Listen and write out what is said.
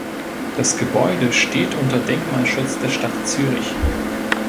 Das Gebäude steht unter Denkmalschutz der Stadt Zürich.